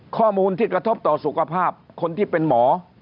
ข้อมูลที่กระทบต่อสุขภาพคนที่เป็นหมอ